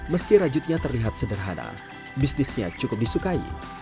meski rajutnya terlihat sederhana bisnisnya cukup disukai